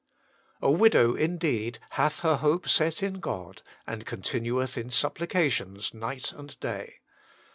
"A widow indeed, hath her hope set in God, and continue! h in supplications night and day."